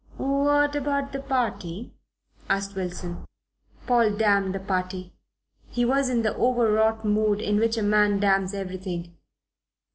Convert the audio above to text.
"What about the party?" asked Wilson. Paul damned the party. He was in the overwrought mood in which a man damns everything.